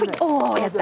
やった！